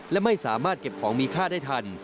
และไม่สามารถเก็บของมีค่าได้ทัน